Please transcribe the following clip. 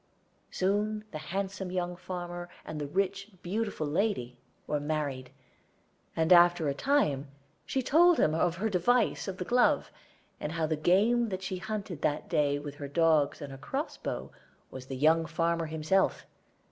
Soon the handsome young farmer and the rich and beautiful lady were married, and after a time she told him of her device of the glove, and how the game that she hunted that day with her dogs and her cross bow was the young farmer himself.